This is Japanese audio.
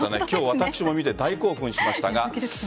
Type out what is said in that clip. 今日、私も見て大興奮しましたが。